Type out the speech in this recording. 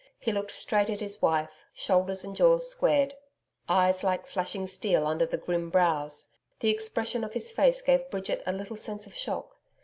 He looked straight at his wife shoulders and jaws squared, eyes like flashing steel under the grim brows. The expression of his face gave Bridget a little sense of shock.